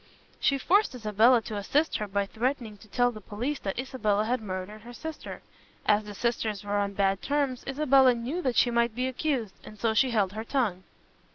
She forced Isabella to assist her by threatening to tell the police that Isabella had murdered her sister. As the sisters were on bad terms, Isabella knew that she might be accused, and so she held her tongue."